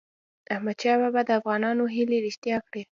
احمدشاه بابا د افغانانو هیلې رښتیا کړی.